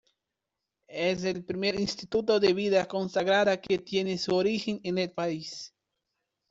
Es el primer instituto de vida consagrada que tiene su origen en el país.